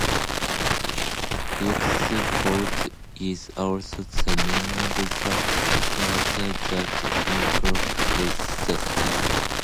Vieux Fort is also the name of the Quarter that encompasses the city.